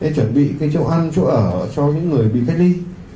chuẩn bị cái chỗ ăn chỗ ở cho những người bị cách ly